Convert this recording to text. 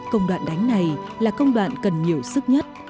công đoạn đánh này là công đoạn cần nhiều sức nhất